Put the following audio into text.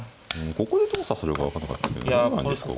ここでどう指すのか分かんなかったけどどうなんですか。